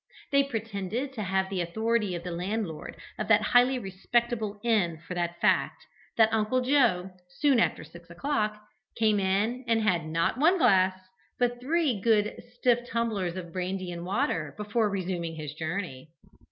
They pretended to have the authority of the landlord of that highly respectable inn for the fact, that Uncle Joe, soon after six o'clock, came in and had, not one glass, but three good "stiff" tumblers of brandy and water before resuming his journey.